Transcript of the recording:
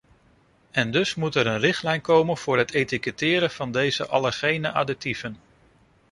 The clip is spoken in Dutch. En dus moet er een richtlijn komen voor het etiketteren van deze allergene additieven.